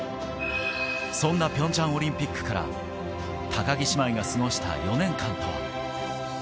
そんなピョンチャンオリンピックから高木姉妹が過ごした４年間とは。